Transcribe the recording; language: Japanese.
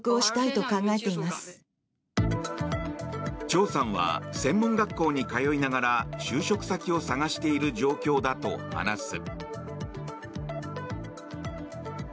チョウさんは専門学校に通いながら就職先を探している状況だと話す。